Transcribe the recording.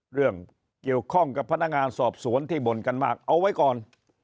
เรื่องเกี่ยวข้องกับพนักงานสอบสวนที่บ่นกันมากเอาไว้ก่อน